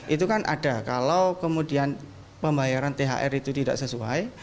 itu kan ada kalau kemudian pembayaran thr itu tidak sesuai